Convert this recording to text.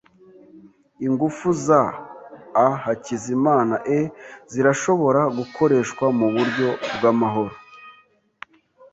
Ingufu za a Hakizimana e zirashobora gukoreshwa muburyo bwamahoro.